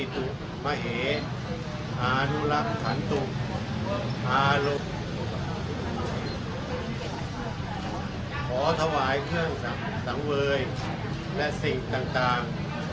ทุกข์มเหอานุรักษ์ทันตุอารุขอถวายเครื่องสังเวยและสิ่งต่างต่าง